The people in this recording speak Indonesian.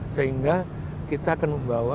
sehingga kita akan membawa